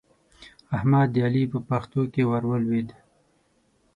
احمد د علي په پښتو کې ور ولوېد.